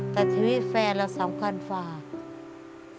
แต่ชีวิตแฟนเราสำคัญฝาก